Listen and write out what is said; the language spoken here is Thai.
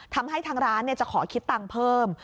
ทำให้ทั้งร้านจะขอคิดตังค์เพิ่ม